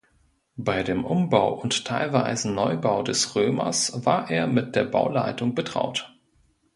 Bei dem Umbau und teilweisen Neubau des Römers war er mit der Bauleitung betraut.